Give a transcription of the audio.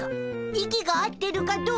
息が合ってるかどうかじゃ。